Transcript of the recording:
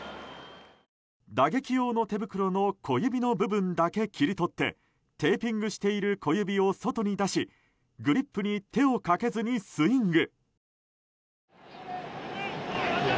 打撃用の手袋の小指の部分だけ切り取ってテーピングしている小指を外に出しグリップに手をかけずにスイング。